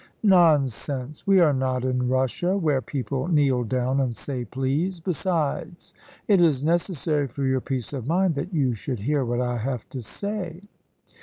"Nonsense. We are not in Russia, where people kneel down and say please. Besides, it is necessary for your peace of mind that you should hear what I have to say."